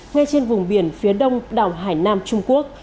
ngay trên vùng biển phía đông đảo hải nam trung quốc